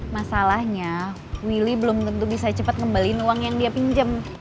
masalahnya willy belum tentu bisa cepat ngembalin uang yang dia pinjam